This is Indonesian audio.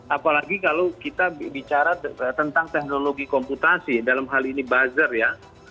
apalagi kalau kita bicara tentang teknologi komputasi dalam hal ini buzzer ya